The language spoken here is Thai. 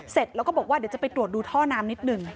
เสร็จแล้วก็บอกว่าเดี๋ยวจะไปตรวจดูท่อน้ำนิดหนึ่ง